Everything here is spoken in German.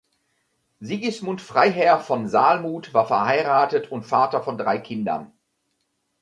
Sigismund Freiherr von Salmuth war verheiratet und Vater von drei Kindern.